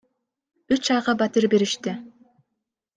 Үч айга батир беришти.